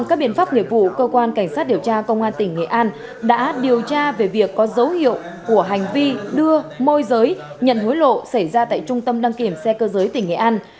các biện pháp nghiệp vụ cơ quan cảnh sát điều tra công an tỉnh nghệ an đã điều tra về việc có dấu hiệu của hành vi đưa môi giới nhận hối lộ xảy ra tại trung tâm đăng kiểm xe cơ giới tỉnh nghệ an